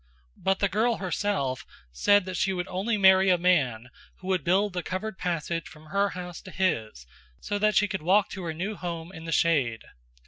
But the girl herself said that she would only marry a man who would build a covered passage from her house to his, so that she could walk to her new home in the shade.